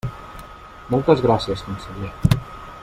Moltes gràcies, conseller.